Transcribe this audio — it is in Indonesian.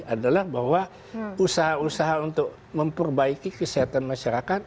adalah bahwa usaha usaha untuk memperbaiki kesehatan masyarakat